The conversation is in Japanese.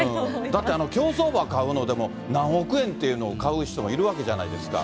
だって競走馬買うのでも何億円っていうのを買う人がいるわけじゃないですか。